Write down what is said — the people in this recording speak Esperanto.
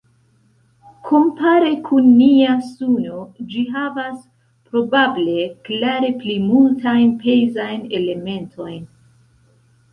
Kompare kun nia Suno ĝi havas probable klare pli multajn pezajn elementojn.